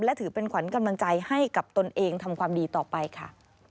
และถือเป็นขวัญกำลังใจให้กับตนเองทำความดีต่อไปค่ะ